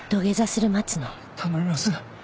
頼みます。